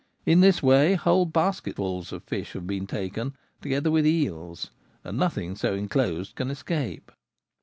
In this way whole baskets full of fish have been taken, together with eels ; and nothing so enclosed can escape.